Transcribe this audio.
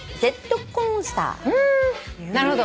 なるほど。